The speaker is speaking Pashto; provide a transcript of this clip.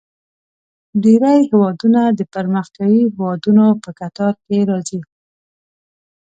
ډیری هیوادونه د پرمختیايي هیوادونو په کتار کې راځي.